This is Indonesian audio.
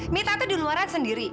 mita tuh di luar sendiri